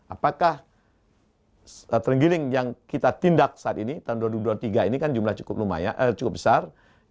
apakah terenggiling yang kita tindak saat ini tahun dua ribu dua puluh tiga ini kan jumlah cukup besar